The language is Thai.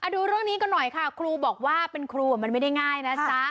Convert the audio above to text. ดูเรื่องนี้กันหน่อยค่ะครูบอกว่าเป็นครูมันไม่ได้ง่ายนะจ๊ะ